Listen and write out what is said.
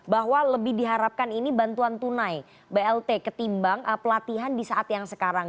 bahwa lebih diharapkan ini bantuan tunai blt ketimbang pelatihan di saat yang sekarang